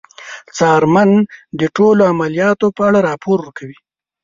څارمن د ټولو عملیاتو په اړه راپور ورکوي.